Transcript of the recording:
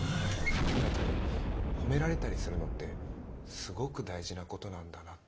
褒めたり褒められたりするのってすごく大事なことなんだなって。